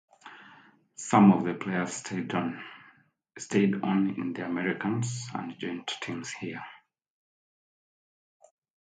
Some of the players stayed on in the Americas and joined teams there.